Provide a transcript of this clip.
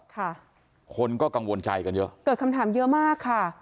ค่ะคนก็กังวลใจกันเยอะเกิดคำถามเยอะมากค่ะ